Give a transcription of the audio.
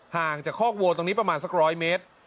ห่างจากคอกวัวตรงนี้ประมาณสัก๑๐๐เมตร